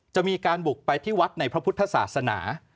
จะมีการบุกไปที่วัดในพระพุทธศาสนา